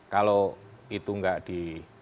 kalau itu enggak di